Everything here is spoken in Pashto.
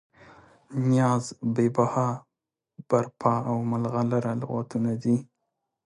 نیاز، بې بها، برپا او ملغلره لغتونه دي.